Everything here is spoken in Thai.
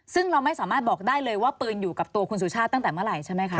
ซึ่งเราไม่สามารถบอกได้เลยว่าปืนอยู่กับตัวคุณสุชาติตั้งแต่เมื่อไหร่ใช่ไหมคะ